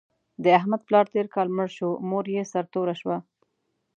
د احمد پلار تېر کال مړ شو، مور یې سرتوره شوه.